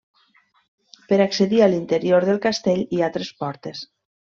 Per accedir a l'interior del castell hi ha tres portes.